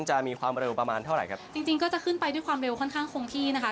จะมีความเร็วประมาณเท่าไหร่ครับจริงจริงก็จะขึ้นไปด้วยความเร็วค่อนข้างคงที่นะคะ